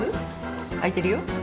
空いてるよ。